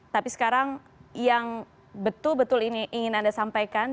tapi sekarang yang betul betul ini ingin anda sampaikan